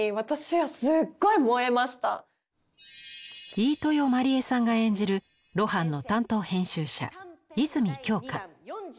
飯豊まりえさんが演じる露伴の担当編集者泉京香。